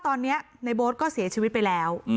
ตอนนี้ในโบ๊ทก็เสียชีวิตไปแล้ว